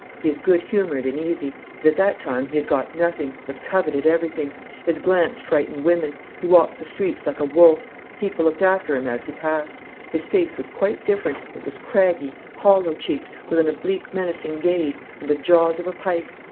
He is good humoured and easy. But at that time he had got nothing, but coveted everything. His glance frightened women. He walked the streets like a wolf. People looked after him as he passed. His face was quite different it was craggy, hollow cheeked, with an oblique menacing gaze, and the jaws of a pike.